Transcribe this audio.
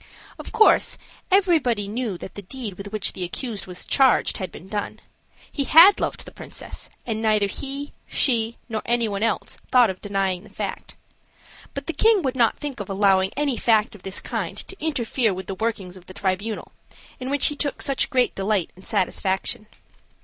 Of course, everybody knew that the deed with which the accused was charged had been done. He had loved the princess, and neither he, she, nor any one else, thought of denying the fact; but the king would not think of allowing any fact of this kind to interfere with the workings of the tribunal, in which he took such great delight and satisfaction.